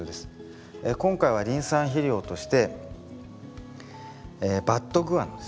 今回はリン酸肥料としてバットグアノですね。